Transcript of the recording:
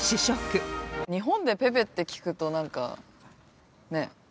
日本で「ペペ」って聞くとなんかねっ。